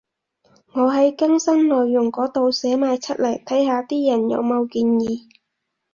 我喺更新內容嗰度寫埋出嚟，睇下啲人有冇建議